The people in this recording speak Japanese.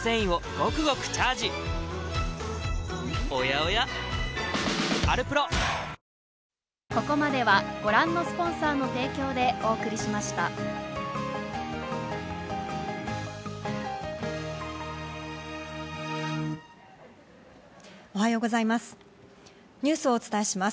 おはようございます。